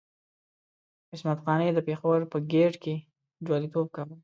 عصمت قانع د پېښور په ګېټ کې جواليتوب کاوه.